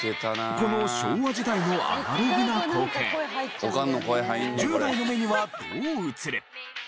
この昭和時代のアナログな光景１０代の目にはどう映る？